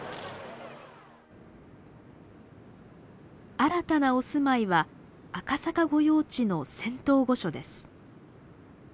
新たなお住まいは赤坂御用地の仙洞御所です。